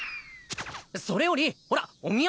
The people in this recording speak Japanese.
それよりほらお土産。